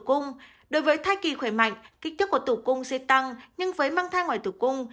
cung đối với thai kỳ khỏe mạnh kích thước của tử cung sẽ tăng nhưng với mang thai ngoài tử cung